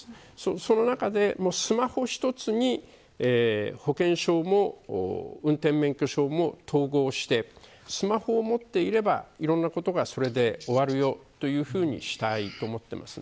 その中で、スマホ１つに保険証も運転免許証も統合してスマホを持っていればいろんなことがそれで終わる、というようにしたいと思っています。